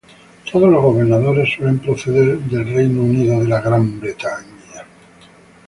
Todos los gobernadores suelen proceder del Reino Unido.